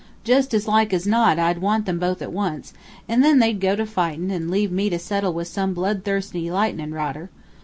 Just as like as not I'd want them both at once, and then they'd go to fightin', and leave me to settle with some blood thirsty lightnin' rodder.